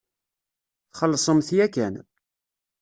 Txellṣemt yakan.